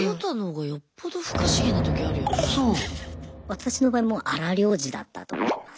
私の場合もう荒療治だったと思います。